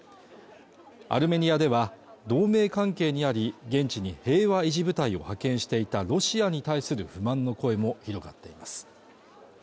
アルメニアでは同盟関係にあり現地に平和維持部隊を派遣していたロシアに対する不満の声も広がっています